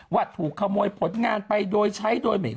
ว่าถูกขโมยผลงานไปโดยใช้โดยไม่รู้